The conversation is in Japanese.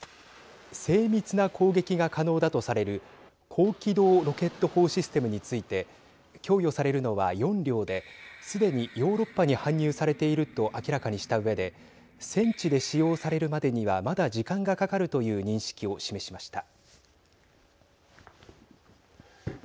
精密な攻撃が可能だとされる高機動ロケット砲システムについて供与されるのは４両ですでにヨーロッパに搬入されていると明らかにしたうえで戦地で使用されるまでにはまだ時間がかかるという認識を示しました。